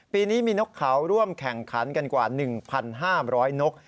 ปีนี้มีนกเขาร่วมแข่งขันกันกว่า๑๕๐๐นก